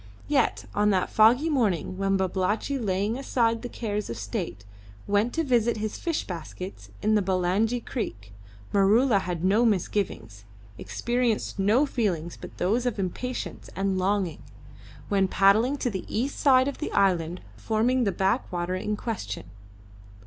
Yet on that foggy morning when Babalatchi, laying aside the cares of state, went to visit his fish baskets in the Bulangi creek, Maroola had no misgivings, experienced no feelings but those of impatience and longing, when paddling to the east side of the island forming the back water in question.